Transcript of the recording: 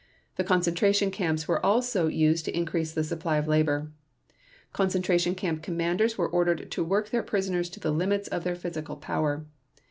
The concentration camps were also used to increase the supply of labor. Concentration camp commanders were ordered to work their prisoners to the limits of their physical power.